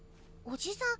おじさん